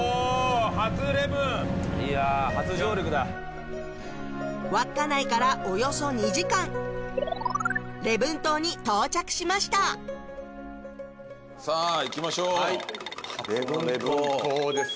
初礼文いや稚内からおよそ２時間礼文島に到着しましたさあ行きましょうはい初の礼文島です